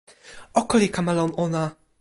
oko li kama lon ona!